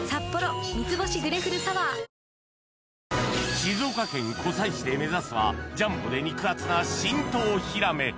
静岡県湖西市で目指すはジャンボで肉厚な伸東ヒラメ